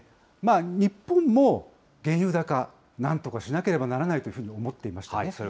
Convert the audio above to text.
日本も、原油高、なんとかしなければならないというふうに思っていましたね。